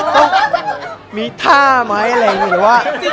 ต้องมีท่าไหมอะไรอย่างนี้ว่า